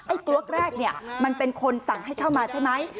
ไอ้กว๊อกแรกมันเป็นคนสั่งให้เข้ามาใช่ไหม